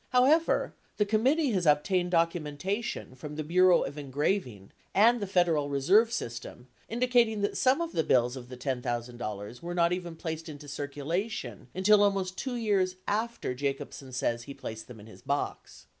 However, the committee has obtained documenta tion from the Bureau of Engraving and the Federal Reserve System indicating that some of the bills of the $10,000 were not even placed into circulation until almost 2 years after Jacobsen says he placed them in his box.